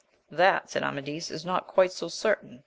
That, said Amadis, is not quite so certain.